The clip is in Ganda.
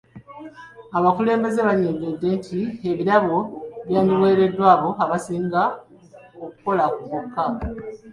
Abakulembeze bannyonnyodde nti ebirabo byandiweereddwa abo abasinga okukola bokka.